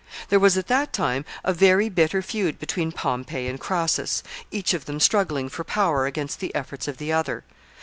There was at that time a very bitter feud between Pompey and Crassus, each of them struggling for power against the efforts of the other.